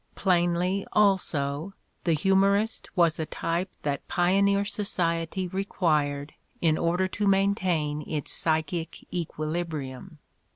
Plainly, also, the humorist was a type that pioneer society required in order to maintain its psychic equilibrium.